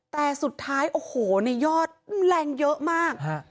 แต่สุดท้ายโอ้โหในยอดแรงเยอะมาก